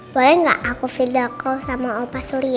boleh gak aku video call sama opa surya